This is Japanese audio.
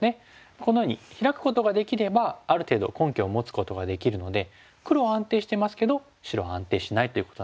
このようにヒラくことができればある程度根拠を持つことができるので黒は安定してますけど白は安定しないということなので。